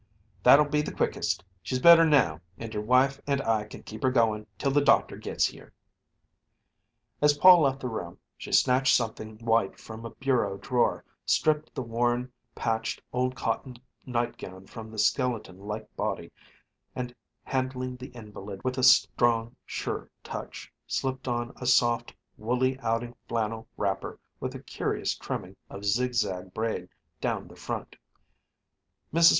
"That'll be the quickest. She's better now, and your wife and I can keep her goin' till the doctor gits here." As Paul left the room she snatched something white from a bureau drawer, stripped the worn, patched old cotton nightgown from the skeleton like body, and, handling the invalid with a strong, sure touch, slipped on a soft, woolly outing flannel wrapper with a curious trimming of zigzag braid down the front. Mrs.